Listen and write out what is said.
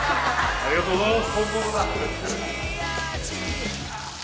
ありがとうございます。